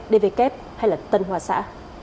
dv kép hay tân hòa xã